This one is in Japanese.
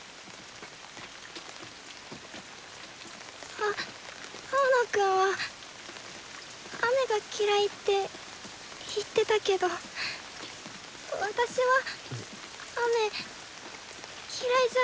あ青野くんは雨が嫌いって言ってたけど私は雨嫌いじゃないよ。